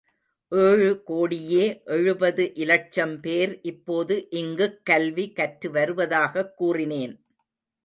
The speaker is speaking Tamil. ஏழு கோடியே எழுபது இலட்சம் பேர் இப்போது இங்குக் கல்வி கற்று வருவதாகக் கூறினேன்.